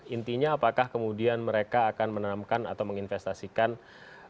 intinya apakah kemudian mereka akan menanamkan atau menginvestasikan uangnya di sini